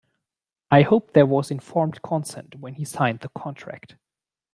I hope there was informed consent when he signed the contract.